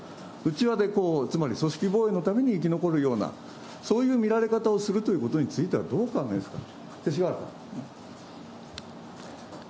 内輪で、つまり組織防衛のために生き残るような、そういう見られ方をするということについては、どうお考えですか。